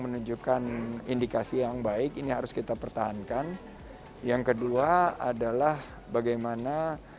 menunjukkan indikasi yang baik ini harus kita pertahankan yang kedua adalah bagaimana